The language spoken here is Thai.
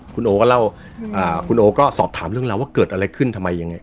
คุณโอก็เล่าคุณโอก็สอบถามเรื่องราวว่าเกิดอะไรขึ้นทำไมยังไง